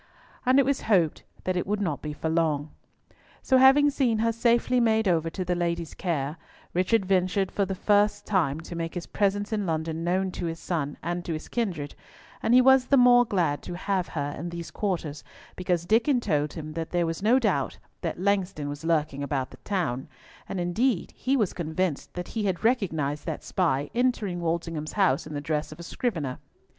And it was hoped that it would not be for long. So, having seen her safely made over to the lady's care, Richard ventured for the first time to make his presence in London known to his son, and to his kindred; and he was the more glad to have her in these quarters because Diccon told him that there was no doubt that Langston was lurking about the town, and indeed he was convinced that he had recognised that spy entering Walsingham's house in the dress of a scrivener.